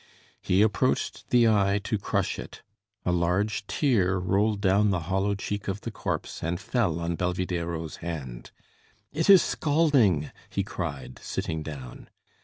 He approached the eye to crush it. A large tear rolled down the hollow cheek of the corpse and fell on Belvidéro's hand. "It is scalding!" he cried, sitting down.